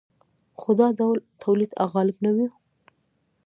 خو دا ډول تولید غالب نه و.